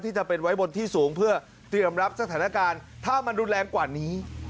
จะเป็นไว้บนที่สูงเพื่อเตรียมรับสถานการณ์ถ้ามันรุนแรงกว่านี้